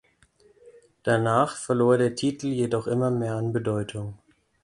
Danach verlor der Titel jedoch immer mehr an Bedeutung.